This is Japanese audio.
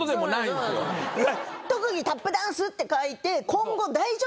特技「タップダンス」って書いて。